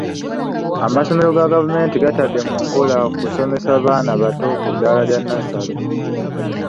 Amasomero ga gavumenti tegatadde mu nkola kusomesa baana bato ku ddaala lya nnassale.